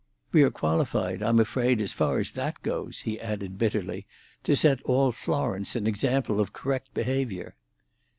We are qualified, I'm afraid, as far as that goes," he added bitterly, "to set all Florence an example of correct behaviour."